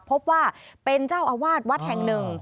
พบว่าเป็นเจ้าอาวาสวัดแห่งหนึ่ง